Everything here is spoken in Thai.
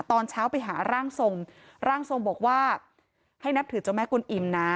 ตอนเช้าไปหาร่างทรงร่างทรงบอกว่าให้นับถือเจ้าแม่กุลอิ่มนะ